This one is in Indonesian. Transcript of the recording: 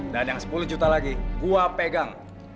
dan yang sepuluh juta lagi gue pegang